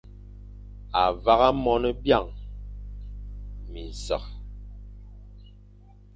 À vagha mon byañ, minsekh.